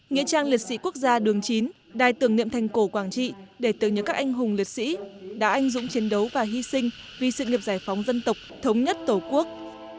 nghĩa trang liệt sĩ quốc gia đường chín đài tưởng niệm thành cổ quảng trị để tưởng nhớ các anh hùng liệt sĩ đã anh dũng chiến đấu và hy sinh vì sự nghiệp giải phóng dân tộc thống nhất tổ quốc